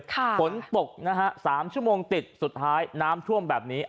ฝนตกนะฮะ๓ชั่วโมงติดสุดท้ายน้ำท่วมแบบนี้